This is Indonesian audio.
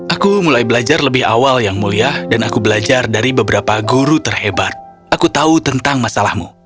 aku mulai belajar lebih awal yang mulia dan aku belajar dari beberapa guru terhebat aku tahu tentang masalahmu